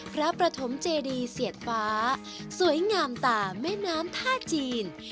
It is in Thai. ประถมเจดีเสียดฟ้าสวยงามตามแม่น้ำท่าจีน